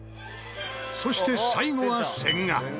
そして最後は千賀。